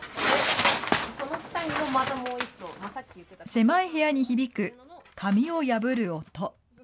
狭い部屋に響く、紙を破る音。